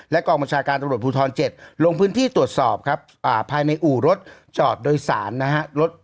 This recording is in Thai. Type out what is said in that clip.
กองบัญชาการตำรวจภูทร๗ลงพื้นที่ตรวจสอบครับภายในอู่รถจอดโดยสารนะฮะ